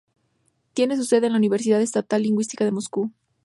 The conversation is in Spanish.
Tiene su sede en la Universidad Estatal Lingüística de Moscú.